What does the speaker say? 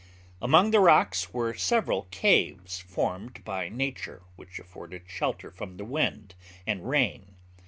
'Among the rocks were several caves formed by nature, which afforded shelter from the wind and rain.